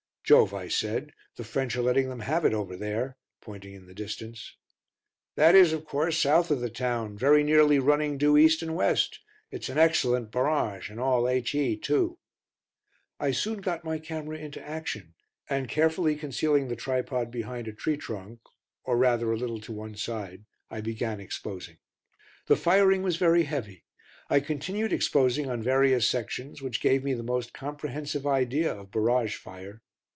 "Jove," I said, "the French are letting them have it over there," pointing in the distance. "That is, of course, south of the town, very nearly running due east and west it's an excellent barrage and all H.E., too." I soon got my camera into action and, carefully concealing the tripod behind a tree trunk or rather a little to one side, I began exposing. The firing was very heavy. I continued exposing on various sections which gave me the most comprehensive idea of barrage fire.